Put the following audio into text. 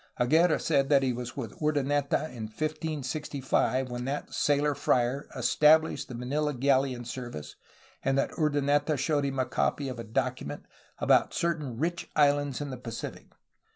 Aguirre said that he was with Urdaneta in 1565 when that sailor friar estabhshed the Manila galleon service and that Urdaneta showed him a copy of a document about certain rich islands in the Pacific.